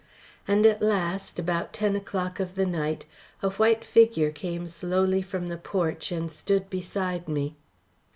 And at last, about ten o'clock of the night, a white figure came slowly from the porch and stood beside me.